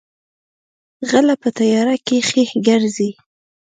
غلۀ پۀ تيارۀ کښې ګرځي ـ